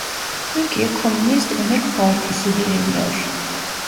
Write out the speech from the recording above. Türkiye Komünist Emek Partisi direniyor.